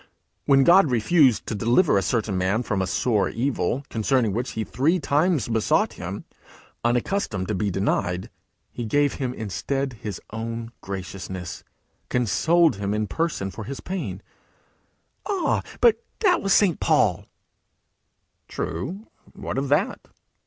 When God refused to deliver a certain man from a sore evil, concerning which he three times besought him, unaccustomed to be denied, he gave him instead his own graciousness, consoled him in person for his pain.' 'Ah, but that was St. Paul!' 'True; what of that?'